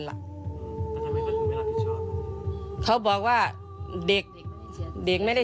แม่จะมาเรียกร้องอะไร